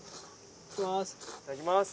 いただきます！